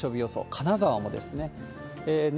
金沢もですね。